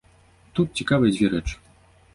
Тут цікавыя дзве рэчы.